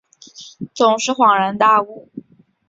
总是恍然大悟